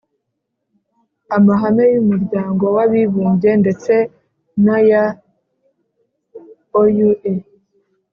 amahame y'umuryango w'abibumbye ndetse n'aya oua,